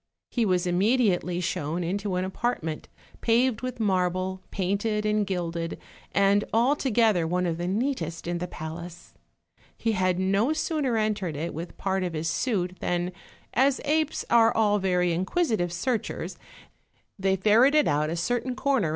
He was immediately shown into an apartment paved with marble, painted and gilded, and altogether one of the neatest in the palace. He had no sooner en tered it with part of his suit than, as apes are all very inquisitive searchers, they ferreted out a certain corner OLD, OLD FAIRY TALES.